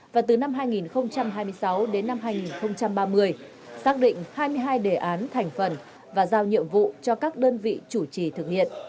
và từ năm hai nghìn hai mươi sáu đến năm hai nghìn ba mươi xác định hai mươi hai đề án thành phần và giao nhiệm vụ cho các đơn vị chủ trì thực hiện